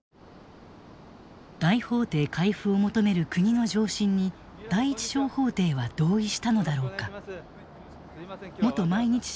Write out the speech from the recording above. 大法廷回付を求める国の上申に第一小法廷は同意したのだろうか。